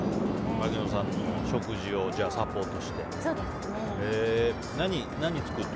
槙野さんの食事をサポートしてと。